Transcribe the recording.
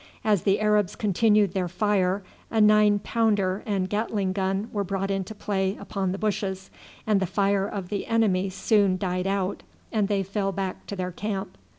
As the Arabs continued their fire, a nine pounder and Gatling gun were brought into play upon the bushes, and the fire of the enemy soon died out and they fell back to their camp.